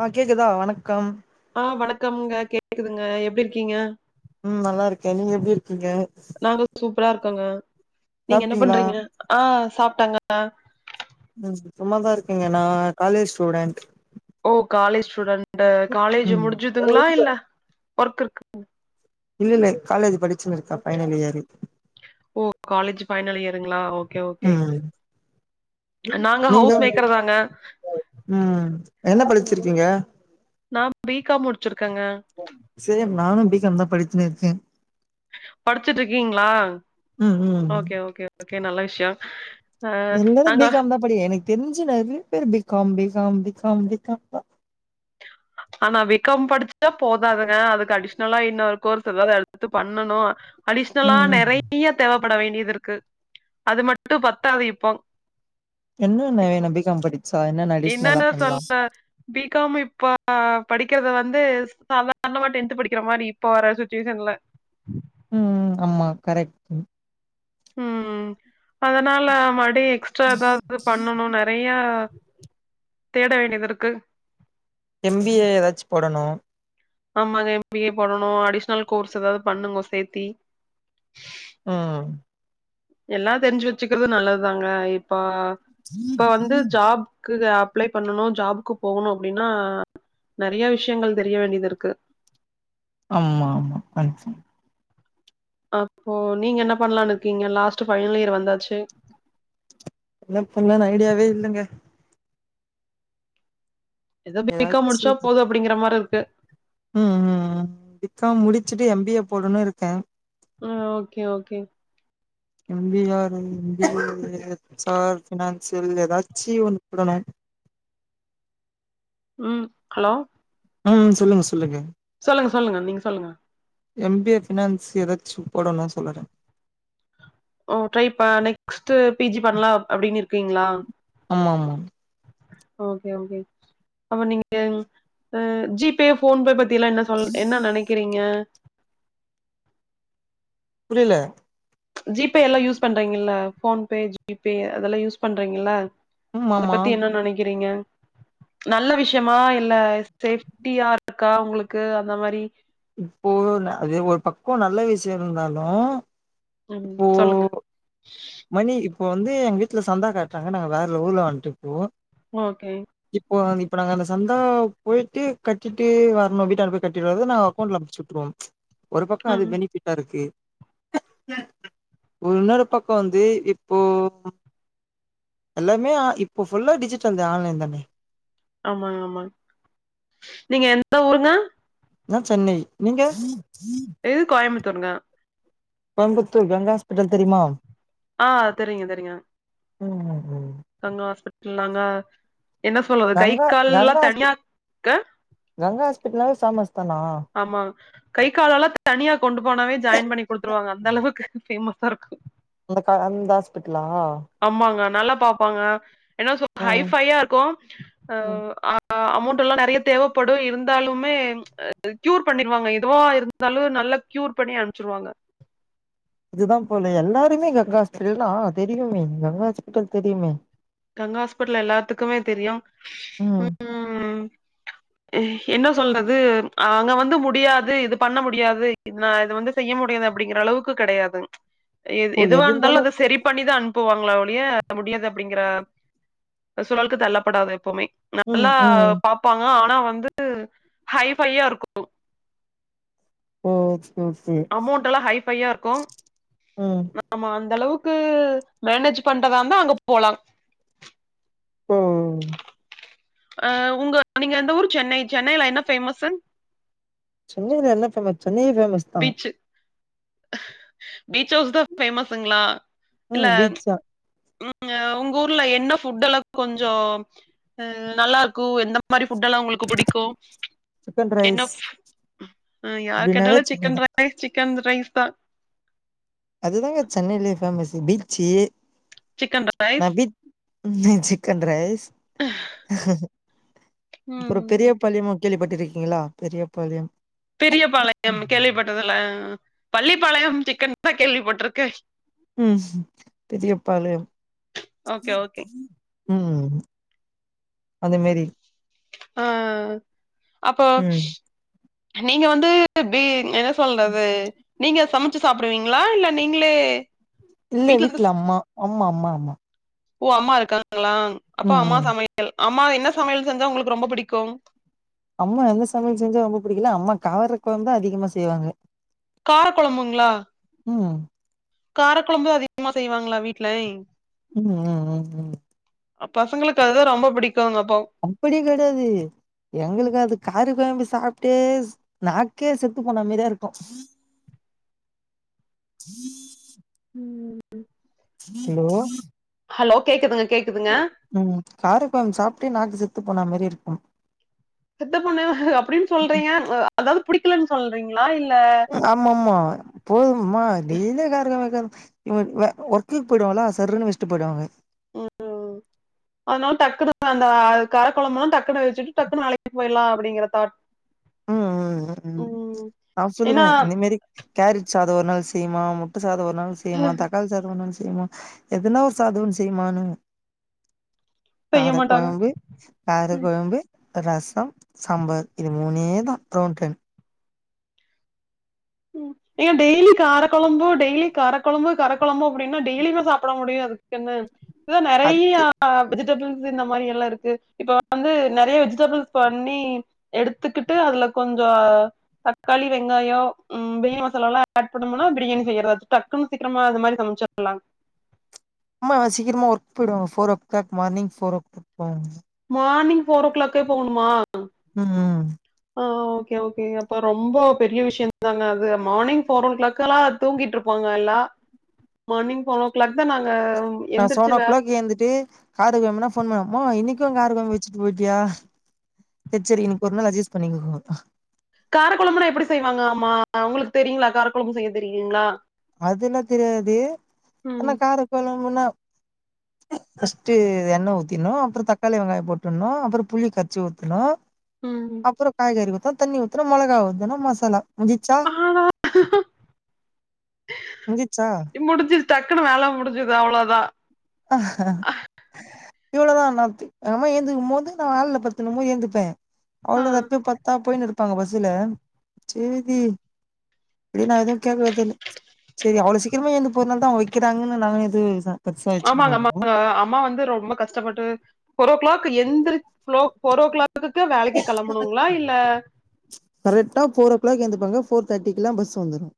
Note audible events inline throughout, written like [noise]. ஆ கேக்குதா வணக்கம் ஆ வணக்கம்ங்க கேக்குதுங்க எப்டி இருக்கீங்க ம் நல்லா இருக்கே நீங்க எப்டி இருக்கீங்க நாங்க சூப்பரா இருக்கோங்க நீங்க என்ன சாப்ட்டீங்களா பண்றீங்க ஆ சாப்பிட்டங்க ம் சும்மாதா இருக்கேங்க நா காலேஜ் ஸ்டூடெண்ட் ஓ காலேஜ் ஸ்டூடண்ட் காலேஜ் ம் முடிஞ்சதுங்களா இல்ல ஒர்க் இருக் இல்ல இல்ல காலேஜ் படிச்சினு இருக்கா பைனல் இயரு ஓ காலேஜ் ஃபைனல் இயருங்களா ஓகே ஓகே ம் நாங்க நீங்க ஹவுஸ் மேக்கர் தாங்க ம் என்ன படிச்சிருக்கீங்க நா பி காம் முடிச்சிருக்கேங்க சேம் நானு பி காம் தா படிச்சின்னே இருக்கே படிச்சிட்டு இருக்கீங்களா ம் ம் ஓகே ஓகே ஓகே நல்ல விஷயோ எல்லாரு பி காம் தா படி எனக்கு தெரிஞ்சு நெறைய பேர் B com B com B com B com தா ஆனா விகாம் படிச்சா போதாதுங்க அதுக்கு அடிஷ்னலா இன்னொரு கோர்ஸ் ஏதாவது எடுத்து பண்ணணு அடிஷ்னலா ம் நெறைய தேவைப்பட வேண்டியது இருக்கு அது மட்டு பத்தாது இப்போம் என்னென்ன என்ன பி காம் படிச்சா என்னென்ன அடிஷ்னலா என்னன்னு சொல் பண்ணலாம் பிகாம் இப்ப படிக்கறத வந்து சாதாரணமா டென்த் படிக்கிற மாரி இப்ப வர சுச்சுவேஷன்ல ம் ஆமா கரெக்ட் ம் அதனால மடி எக்ஸ்ட்ரா ஏதாது பண்ணணு ந நறைய தேட வேண்டியது இருக்கு எம்பிஏ ஏதாச்சு போடணு ஆமாங்க எம்பிஏ போடணு அடிஷ்னல் கோர்ஸ் ஏதாது பண்ணுங்க சேத்தி ம் எல்லா தெரிஞ்சு வச்சுக்றது நல்லதுதாங்க இப்ப இப்ப வந்து ஜாப் க்குக்கு அப்ளை பண்ணணு ஜாப்கு போகணு அப்டின்னா நெறைய விஷயங்கள் தெரிய வேண்டியது இருக்கு ஆமா ஆமா தேங்ஸ் அப்போ நீங்க என்ன பண்லானு இருக்கீங்க லாஸ்ட் ஃபைனல் இயர் வந்தாச்சு என்ன பண்ணன் ஐடியாவே இல்லங்க ஏதோ பீகாம் ஏதாச்சு முடிச்சா போது அப்டிங்கிற மாரி இர்க்கு ம் ம் பிகாம் முடிச்சுட்டு எம்பிஏ போடுனு இருக்க ம் ஓகே ஓகே எம்பிஆரு எச்ஆர் பினான்சியல் ஏதாச்சி ஒன்னு போடணு ம் ஹலோ ம் சொல்லுங்க சொல்லுங்க சொல்லுங்க சொல்லுங்க நீங் சொல்லுங்க எம்பிஏ ஃபினான்ஸ் ஏதாச்சு போடணு சொல்லுற ஓ ட்ரை ப நெக்ஸ்ட் பிஜி பண்லா அப்டினு இருக்கீங்ளா ஆமா ஆமா ஓகே ஓகே அப நீங்க ஜிபே போன்பே பத்தி எல்லா என்ன சொல் என்ன நெனக்கிறீங்க புரில ஜிபே எல்லா யூஸ் பண்றீங்கல்ல ஃபோன்பே ஜிபே அதெல்லா யூஸ் பண்றீங்கல்ல ம் அத ஆமா பத்தி என்ன நெனக்கிறீங்க நல்ல விஷ்யமா இல்ல சேஃப்டியா இருக்கா உங்குளுக்கு அந்த மாரி இப்போ அது ஒரு பக்கோ நல்ல விஷ்யோ இருந்தாலு ம் இப்போ சொல்லுங்க மணி இப்போ வந்து எங்க வீட்ல சந்தா காட்றாங்க நாங்க வேற ஊர்ல வன்ட்றுப்போ ஓகே இப்போ இப்ப நாங்க அந்த சந்தா போயிட்டு கட்டிட்டு வரனு வீட்டான்ட போய் கட்டிட்டு வறது நாங்க அக்கௌண்ட்ல அமிச்சு விட்ருவோ ஒரு பக்கோ அது ம். பெனிஃபிட்டாருக்கு ஒரு இன்னொரு பக் கோ வந்து இப்போ எல்லாமே இப்போ ஃபுல்லா டிஜிட்டல் தா ஆன்லைன் தானே ஆமாங்க ஆமாங் நீங்க எந்த ஊருங்க நா சென்னை நீங்க இது கோயம்முத்தூர்ங்க கோயம்புத்தூர் கங்கா ஹாஸ்பிட்டல் தெரிமா ஆ தெரிங்க தெரிங்க ம் ம் கங்கா ஹாஸ்பிட்டல்லாங்க என்ன சொல்றது கை கங்கா கால்லா கங்கா ஹாஸ்பி தனியா க கங்கா ஹாஸ்பிட்டல்னாவே ஃபேமஸ் தானா ஆமா கை காலலா தனியா கொண்டு போனாவே ஜாயின் பண்ணி குடுத்துருவாங்க அந்தளவுக்கு ஃபேமஸாருக்கு அந்த கா அந்த ஹாஸ்பிட்லா ஆமாங்க நல்லா பாப்பாங்க என்னா சொ ம் ஹைஃபையாருக்கு ஆ ம் ஆ அமௌண்ட்டலா நறைய தேவப்படு இருந்தாலுமே க்யூர் பண்ணிருவாங்க எதுவா இருந்தாலு நல்லா க்யூர் பண்ணி அம்ச்சிருவாங்க இதுதா போல எல்லாருமே கங்கா ஹாஸ்பிட்டல்னா தெரியுமே கங்கா ஹாஸ்பிட்டல் தெரியுமே கங்கா ஹாஸ்பிட்டல் எல்லாத்துக்குமே தெரியு ம் ம் என்ன சொல்றது அங்க வந்து முடியாது இது பண்ண முடியாது இத் நா இது வந்து செய்ய முடியாது அப்டிங்ற அளவுக்கு கெடயாதுங் எ ஓ எது எதுவாந்தாலு இருந்தாலு அத செரி பண்ணிதா அன்ப்புவாங்ளே ஒழிய முடியாது அப்டிங்ற சூழல்க்கு தள்ளப்படாது எப்பொமே ம் நல்லா ம் பாப் பாங்க ஆனா வந்து ஹைஃபையா இருக்கு ஓ எகஸ்க்யூஸ் அமௌண்ட்டலா ஹைஃபையாருக்கு ம் ஆமா அந்தளவுக்கு மேனேஜ் பண்றதாந்த அங்க போலா ஓ ஆ உங்க நீங்க எந்த ஊர் சென்னை சென்னைல என்ன ஃபேமஸு சென்னைல என்ன ஃபேமஸ் சென்னயே ஃபேமஸ் தா பீச்சு பீச்ஹவுஸ் தா ஃபேமஸுங்ளா இல்ல ம் பீச்சா ம் உங்கூர்ல என்ன ஃபுட்டெல்லா கொஞ்சோ ம் நல்லாருக்கு எந்த மாரி ஃபுட்டெல்லா உங்ளுக் க்கு புடிக்கு சிக்கன் என்ன ரைஸ் ஃபு ம் யாரு அப்டின்னாவே கேட்டாலு சி சென்னை தா ரைஸ் சிக்கன் ரைஸ் தா அதுதாங்க சென்னைலயே ஃபேமஸு பீச்சு சிக்கன் நா ரைஸ் பீ [unintelligible] சிக்கன் ரைஸ் அப்றோ ம் பெரிய பாளயமு கேள்விப்பட்ருக்கீங்களா பெரிய பாளையம் பெரியபாளையம் கேள்விப்பட்டதில்ல பள்ளிப்பாளையம் சிக்கன் தா கேள்விப்பட்ருக்கே ம் பெரிய பாளையம் ஓகே ஓகே ம் அந்த மேரி ஆ அப்போ ம் நீங்க வந்து பீ என்ன சொல்றது நீங்க சம ச்சு சாப்டுவீங்ளா இல்ல நீங்ளே இல்ல வீட்ல அம்மா அம்மா அம்மா அம்மா ஓ அம்மா இருக்காங்களா அப்போ ம் அம்மா ம் சமைய ல் அம்மா என்ன சமையல் செஞ்சா உங்களுக்கு ரொம்ப புடிக்கு அம்மா எந்த சமையல் செஞ்சா ரொம்ப புடிக்கல அம்மா கார கொழம்பு தா அதிகமா செய்வாங்க கார கொழம்புங்ளா ம் கார கொழம்பு தா அதிகமா செய்வாங்ளா வீட்லை ம் ம் ம் ம் அ பசங்களுக்கு அதுதா ரொம்ப புடிக்குங்க அப்போ அப்பிடி கெடயாது எங்ளுக்கு அது கார கொழம்பு சாப்பிட்டே ஸ நாக்கே செத்து போன மாரியே இருக்கு ம்ம்ம் ஹலோ ஹலோ கேக்குதுங்க கேக்குதுங்க ம் காரக்கொழம்பு சாப்ட்டே நாக்கு செத்து போனா மாரி இருக்கும் செத்து போன அப்டின்னு சொல்றீங்க அ அதாது பிடிக்கலன்னு சொல்றீங்களா இல்ல ஆமாமா போதும்மா டெய்லி காரகொழம்பு கார ஒ ஒ ஒர்க்குக்கு போயிடுவாளா சர்ருன்னு வச்சுட்டு போயிடுவாங்க அதனால டக்குனு அந்த கார குழம்புல்லா டக்குனு வச்சுட்டு டக்குன்னு வேலைக்கு போயிட்லா அப்டிங்கிற தாட் ம் ம் ம் ம் நா ஏன்னா சொல்லுவே இந்த மேரி கேரட் சாதோ ஒரு நாள் செய்யுமா முட் முட்ட சாதோ ஒரு நாள் செய்யுமா தக்காளி சாதோ ஒரு நாள் செய்யுமா எதனா ஒரு சாதோ செய்யுமான்னு செய்ய மாட்டாங்க காரகொழம்பு ம் காரகொழம்பு ரசம் சாம்பார் இது மூனே தா டோன் டன் ம் ஐயோ டெய்லி கார கொழம்பு டெய்லி கார கொழம்பு கார கொழம்பு அப்படின்னா டெய்லியுமா சாப்பிட முடியு அதுக்குனு இல்ல அது நெறயா ஆ வெஜிடபிள்ஸ் இந்த மாரி எல்லா இருக்கு இப்ப வந்து நெறயா வெஜிடபிள் பண்ணி எடுத்துக்கிட்டு அதுல கொஞ்சோ தக்காளி வெங்காயோ ம் பிரியாணி மசாலாலா ஆட் பண்ணோம்னா பிரியாணி செய்றாச்சு டக்குன்னு சீக்கிரமா அது மாரி சமச்சிர்லா ஆமா அவ சீக்கிரமா ஒர்க் போயிடுவங்க four o'clock morning four ஓ போவங்க மார்னிங் ஃபோரோ கிளாக்கே போகணுமா ம்ம் ஆ ஓகே ஓகே அப்ப ரொம்ப பெரிய விஷயந்தாங்க அது மார்னிங் ஃபோர் ஓ கிளாக்குல்லா தூங்கிட்ருப்பாங்க நல்லா மார்னிங் செவன் ஓ கிளாக் தா நாங்க நா எந்திரிச்சு செவனோ வே கிளாக் எழுந்துட்டு காரக்கொழம்புனா போன் பண்ணுவே மா இன்னிக்கு கார கொழம்பு வச்சுட்டு போயிட்டியா செர் செரி இன்னிக்கு ஒரு நாள் அட்ஜஸ்ட் பண்ணிக்கோங்க பா காரக்கொழம்புனா எப்டி செய்வாங்க ஆமா உங்களுக்கு தெரியுங்களா காரக்கொழம்பு செய்ய தெரியுங்களா அதுல்லா தெரியாது ஆனா ம், காரகொழம்புன்னா ஃபர்ஸ்ட்டு எண்ண ஊத்திட்னு அப்புறோ தக்காளி வெங்காயோ போட்டுட்ணு அப்புறோ புளி கரச்சி ஊத்தணு ம் அப்புறோ காய்கறி ஊத்த தண்ணி ஊத்தணு மொளகா ஊத்தணு மசாலா முஞ்சிச்சா ஆமா முஞ்சிச்சா முடிஞ்சு டக்குனு வேல முடிஞ்சுது அவ்ளோதா இவ்ளதா நாத்து அம்மா ஏந்துக்கும் போது நா ஆள்ல படுத்துனும் போ ஏந்துப்பே ஆ. அவ்ளோ தா எத்து பா த்தா போயினு இருப்பாங்க பஸ்சுல செரி இல்ல நா எதுவு கேக்றது இல்ல செரி அவ்ளோ சீக்கிரமா ஏந்து போறனால தா வெக்கிறாங்கன்னு நா எது பெருசா வச்சுக்க ஆமாங் மாட்டோ ஆமாங்க அம்மா வந்து ரொம்ப கஷ்டப்பட்டு ஃபோரோ கிளாக் எந்திரிக்க ஃபோ ஃபோரோ கிளாக் த்து வேலைக்கு கெளம்பணுங்களா இல்ல கரெக்ட்டா ஃபோரோ கிளாக் ஏந்துப்பாங்க ஃபோர் தேர்ட்டிக்குல்லா பஸ் வந்துரு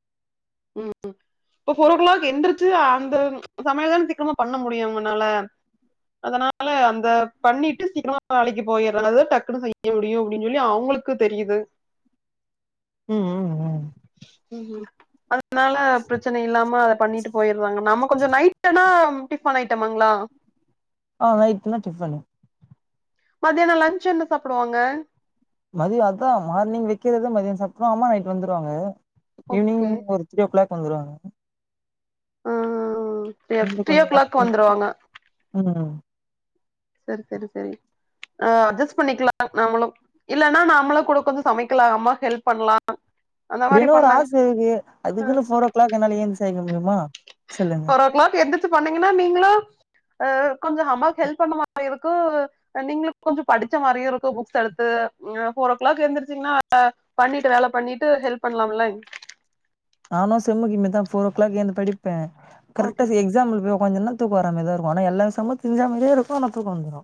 ம் ம் இப்போ ஃபோரோ கிளாக் எந்திருச்சி அந்த சமையல் தான சீக்கிரமா பண்ண முடியு அவங்களால அதனால அந்த பண்ணிட்டு சீக்கிரமா வேலைக்கு போயிறது டக்குன்னு செய்ய முடியு அப்டின்னு சொல்லி அவங்ளுக் க்கு தெரியுது ம் ம் ம் ம்ம் அனால பிரச்சன இல்லாம அத பண்ணிட்டு பொயிறாங்க நம்ம கொஞ்சோ நைட்டுனா டிஃபன் ஐட்டமாங்ளா ஆ நைட்னா டிஃபன்னு மதியானோ லன்ச் என்ன சாப்டுவாங்க மதியோ அதா மார்னிங் வக்கிறத மதியோ சாப்ட்ருவ அம்மா நைட் வந்துடுவாங்க ஈவ்னிங் ஓகே ஒரு த்ரீயோ கிளாக் வந்துடுவாங்க ஆ கொஞ்ச த்ரீ கொஞ்ச ஓ நேர் கிளாக் தூங்கிட்டு வந்துருவாங்க ம் சேரி சேரி சேரி அ அட்ஜஸ் பண்ணிக்லா நாமளு இல்லன்னா நாமளு கூட கொஞ்சோ சமைக்லா அம்மாக்கு ஹெல்ப் பண்லா அந்த மாரி இப்டின்னு ஒரு பண்ணாங்க ஆச இருக்கு அதுக்குன்னு ஃபோரோ கிளாக் என்னால ஏந்து செய்ய முடியுமா சொல்லுங் ஃபோர் க்ளாக் எந்துச்சு பன்னீங்கன்னா நீங்ளு கொஞ்சோ அம்மாக்கு ஹெல்ப் பண்ண மாரி இருக்கு நீங்ளுக் கொஞ்சோ படிச்ச மாரியு இருக்கு புக்ஸ் எடுத்து ஃபோரோ க்ளாக் எந்திரிச்சீங்ன்னா பண்ணிட்டு வேல பண்ணிட்டு ஹெல்ப் பண்லாம்ல நானு செம்முக்கு இதுமேரிதா ஃபோரோ கிளாக் ஏந்து படிப்ப கரெக்ட்டா ஓகே எக் ஸாம்ல போய் ஒக்காஞ்சனா தூக்க வர்றா மாரிதா இருக்கு ஆனா எல்லா சம்மு தெரிஞ்ச மாரியே இருக்கு ஆனா தூக்க வந்துடு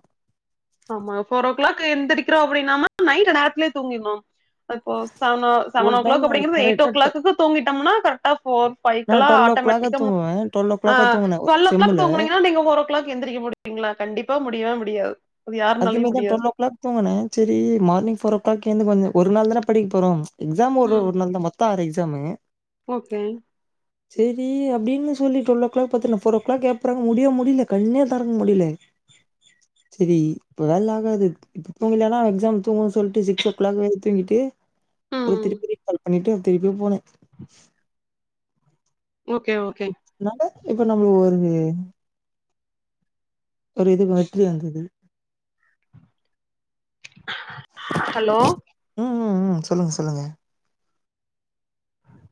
ஆமா ஃபோரோ க்ளாக் எந்திரிக்றோ அப்டின்னாம நைட்டு நேரத்லியே தூங்கிற்னு இப்போ செவனோ ஒரு செவனோ டைம் க்ளாக் நானு அப்டிங்கிறது எயிட்டோ கரெக்டா டு க்ளாக்குக்கு தூங்கிட்டோம்னா கரெக்ட்டா ஃபோர் நா ஃபைக்குல்லா டுவெல் ஓ கிளாக்கா ஆட்டோமேட்டிக்கா முளி தூங்குவே டுவெல் ஓ ஆ கிளாக்கா தூங்குனே ஒரு ட்டுவெல்லோ க்ளாக்கு செம்முல தூங்னீங்கன்னா நீங்க ஒரு கிளாக் எந்திரிக்க முடியுங்ளா கண்டிப்பா முடியவே முடியாது அது யாருனாலையும் அதுமேரிதா முடியாது ட்டுவல்லோ க்ளாக் தூங்குன சேரி மார்னிங் ஃபோரோ க்ளாக் ஏந்து கொஞ்சோ ஒரு நாள் தான படிக்க போறோ எக்ஸாம் ஒரு ம், ஒரு நாள் தா மொத்த ஆறு எக்ஸாமு ஓகே [inaudible] சேரி அப்டின்னு சொல்லி ட்டுவல்லோ க்ளாக் பட்த்துற்னு ஃபோரோ கிளாக் ஏப்புட்றாங்க முடிய முடியல கண்ணே தெறக்க முடில சேரி இப்ப வேல்லா ஆகாது இப்ப தூங்கலன்னா எக்ஸாம் தூங்குனு சொல்ட்டு சிக்ஸ் ஓ க்ளாக் வரையு தூங்கிட்டு அப்றோ ம், திருப்பி ரீகால் பண்ணிட்டு திருப்பியு போன ஓகே ஓகே அதனால இப்ப நம்ளுக்கு வருது ஒரு இதுக்கு வெற்றி வந்துது ஹலோ ம் ம் ம் சொல்லுங்க சொல்லுங்க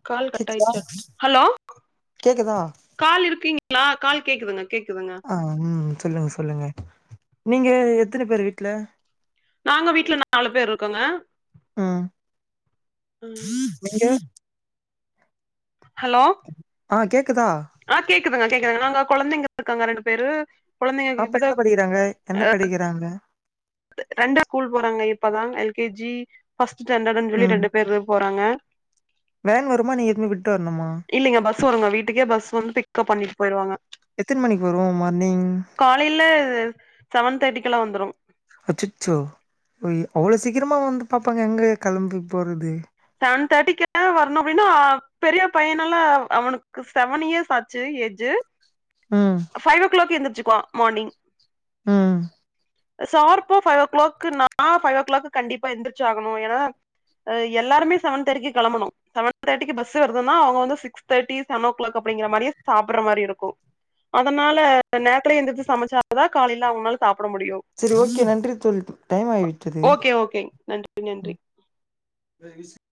கால் கேக்குதா கட்டாயிர்ச்சாட்டுக்கு ஹலோ கேக்குதா கால் இருக்கீங்ளா கால் கேக்குதுங்க கேக்குதுங்க ஆ ம் ம் சொல்லுங்க சொல்லுங்க நீங்க எத்தனி பேரு வீட்ல நாங்க வீட்ல நாலு பேர் இருக்கோங்க ம் ம். நீங்க ஹலோ ஆ கேக்குதா ஆ கேக்குதுங்க கேக்குதுங்க நாங்க கொழந்தைங்க இருக்காங்க ரெண்டு பேரு கொழந்தைங்க பாப்பா இப்பதா எங்க படிக்கிறாங்க என்ன படிக்கிறாங்க ரெண்டு ஸ்கூல் போறாங்க இப்பதா எல் கே ஜி ஃபஸ்ட் ஸ்டாண்டர்ட்ன்னு சொல்லி ம் ரெண்டு பேர் போறாங்க வேன் வருமா நீங்க எடுத்துன் போய் விட்டு வரணுமா இல்லைங்க பஸ் வருங்க வீட்டுக்கே பஸ் வந்து பிக்கப் பண்ணிட்டு போயிருவாங்க எத்தன மணிக்கு வரும் மார்னிங்? காலைல செவன் தேர்ட்டிக்கெல்லா வந்துரு அச்சச்சோ ய் அவ்ளோ சீக்கிரமா வந்து பாப்பாங்க எங்க கெளம்ப போறது செவன் தேர்ட்டிக்குலா வரணு அப்டினா பெரிய பையனல்லா அவனுக்கு செவன் இயர்ஸ் ஆச்சு ஏஜு ம் ஃபைவ்ஓ கிளாக் எந்துச்சுக்குவா மார்னிங் ம் சார்ப்பா ஃபைவ் ஓ கிளாக் நான் ஃபைவ்ஓ கிளாக்கு கண்டிப்பா எந்திரிச்சு ஆகணு ஏனா எல்லாருமே செவன் தேர்ட்டிக்கு கெளம்பணு செவன் தேர்ட்டிக்கு பஸ்ஸு வருதுனா அவங்க வந்து six thirty seven o'clock அப்டிங்கிற மாரியே சாப்ட்டுற மாரி இருக்கு அதனால நேரத்துல எந்திச்சி சமச்சாதா காலைல அவங்கனால சாப்ட முடியு செரி ஓகே நன்றி தோழி டைம் ஆகி விட்டது ஓகே ஓகே நன்றி நன்றி த வீச